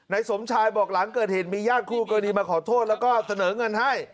สมชายบอกหลังเกิดเหตุมีญาติคู่กรณีมาขอโทษแล้วก็เสนอเงินให้